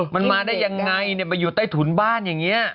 มันมาได้ยังไงมาอยู่ใต้ถุนบ้านอย่างนี้